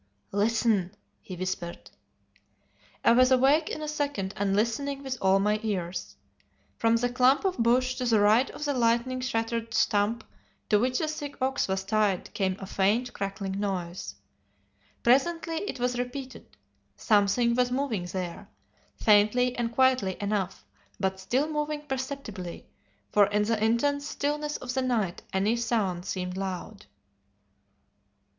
"'Listen!' he whispered. "I was awake in a second, and listening with all my ears. From the clump of bush to the right of the lightning shattered stump to which the sick ox was tied came a faint crackling noise. Presently it was repeated. Something was moving there, faintly and quietly enough, but still moving perceptibly, for in the intense stillness of the night any sound seemed loud.